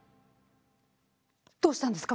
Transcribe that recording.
どうしたんですか？